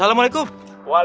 udah udah udah